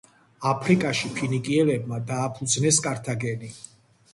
აფრიკაში ფინიკიელებმა დააფუძნეს კართაგენი.